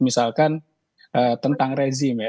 misalkan tentang rezim ya